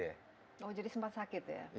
oh jadi sempat sakit ya